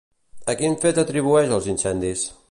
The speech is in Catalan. A quin fet atribueix els incendis?